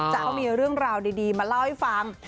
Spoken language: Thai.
จะมีเรื่องราวดีมาเล่าให้ฟัง